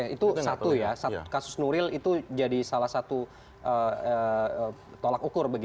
itu satu ya kasus nuril itu jadi salah satu tolak ukur